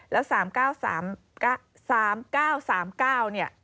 แล้ว๓๙๓๙๓๙เนี่ย